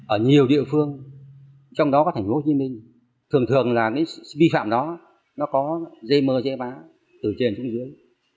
ở nhiều địa phương trong đó có thành phố hồ chí minh thường thường là cái vi phạm đó nó có dây mơ dây bá từ trên xuống dưới